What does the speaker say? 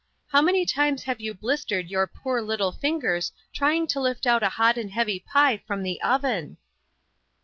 How many times have you blistered your poor little fingers trying to lift out a hot and heavy pie from the oven?"